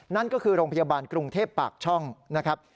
นั่นก็คือโรงพยาบาลกรุงเทพปากช่องนะครับ